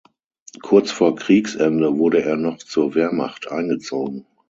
Kurz vor Kriegsende wurde er noch zur Wehrmacht eingezogen.